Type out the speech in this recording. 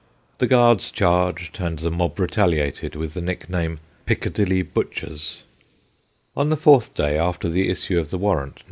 The Guards charged, and the mob retaliated with the nickname ' Picca dilly butchers/ On the fourth day after the issue of the warrant, No.